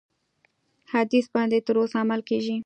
حدیث باندي تر اوسه عمل کیږي.